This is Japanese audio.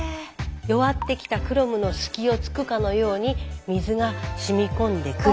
弱ってきたクロムの隙をつくかのように水がしみ込んでくる。